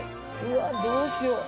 うわっどうしよう。